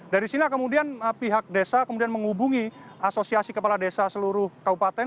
dari sini kemudian pihak desa kemudian menghubungi asosiasi kepala desa seluruh kabupaten